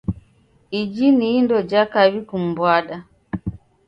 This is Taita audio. Iji ini indo ja kaw'I kumbwada.